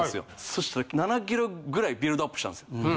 そしたら７キロぐらいビルドアップしたんですよ。